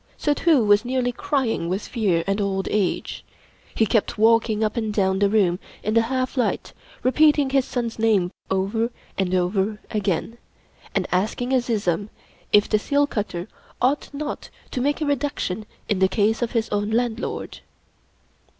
Suddhoo was nearly crying with fear and old age. He kept walking up and down the room in the half light, repeating his son's name over and over again, and asking Azizun if the seal cutter ought not to make a reduction in the case of his own landlord.